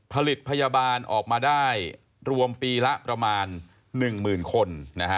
ผลิตพยาบาลออกมาได้รวมปีละประมาณ๑๐๐๐คน